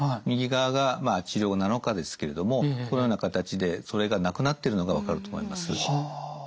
右側が治療７日ですけれどもこのような形でそれがなくなってるのが分かると思います。